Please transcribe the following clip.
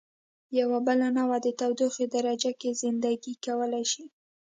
یوه بله نوعه د تودوخې درجې کې زنده ګي کولای شي.